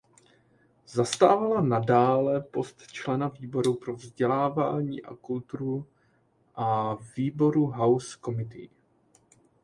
Zastávala nadále post člena výboru pro vzdělávání a kulturu a výboru House Committee.